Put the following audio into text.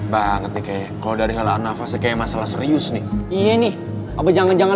banget nih kayak kalau dari halan nafasnya kayak masalah serius nih iya nih apa jangan jangan